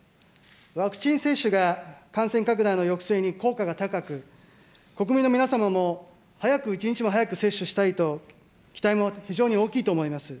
ワクチン接種が感染拡大の抑制に効果が高く、国民の皆様も、早く、一日も早く接種したいと、期待も非常に大きいと思います。